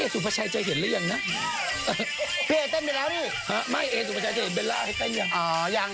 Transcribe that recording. ดูประชาติเป็นเวลาให้เต้นยัง